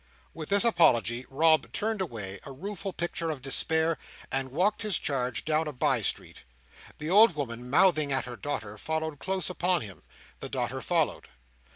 With this apology, Rob turned away, a rueful picture of despair, and walked his charge down a bye street. The old woman, mouthing at her daughter, followed close upon him. The daughter followed.